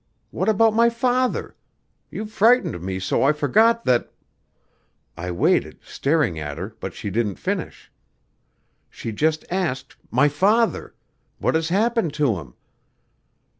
What about my father? You frightened me so I forgot that ' I waited, staring at her, but she didn't finish. She just asked, 'My father? What has happened to him?'